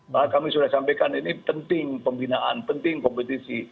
maka kami sudah sampaikan ini penting pembinaan penting kompetisi